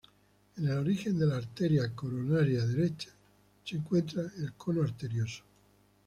En el origen de la "arteria coronaria derecha" se encuentra el cono arterioso.